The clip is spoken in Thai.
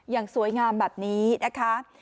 อย่างสวยงามแบบนี้นะคะ